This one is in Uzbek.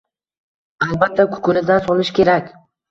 Albatta kukunidan solish kerak.